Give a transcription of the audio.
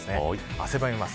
汗ばみます。